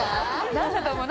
何だと思う？